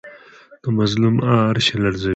د مظلوم آه عرش لرزوي